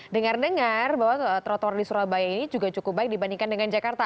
dengar dengar bahwa trotoar di surabaya ini juga cukup baik dibandingkan dengan jakarta